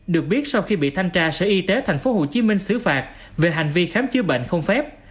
được biết sau khi bị thanh tra sở y tế tp hcm xử phạt về hành vi khám chữa bệnh không phép